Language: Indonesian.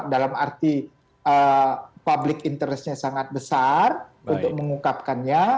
dalam arti public interest nya sangat besar untuk mengungkapkannya